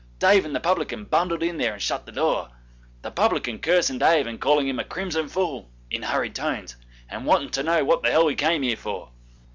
Dave and the publican bundled in there and shut the door the publican cursing Dave and calling him a crimson fool, in hurried tones, and wanting to know what the hell he came here for.